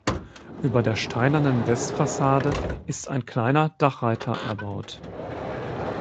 Über der steinernen Westfassade ist ein kleiner Dachreiter erbaut.